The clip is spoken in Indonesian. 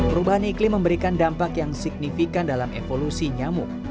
perubahan iklim memberikan dampak yang signifikan dalam evolusi nyamuk